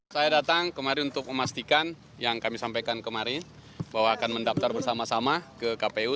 saya datang kemarin untuk memastikan yang kami sampaikan kemarin bahwa akan mendaftar bersama sama ke kpu